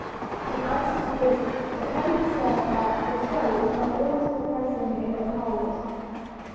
In answer to this it may be said that the soul is not always progressing in her powers.